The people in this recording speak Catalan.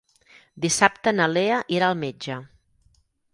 Dissabte na Lea irà al metge.